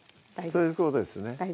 そういうことですね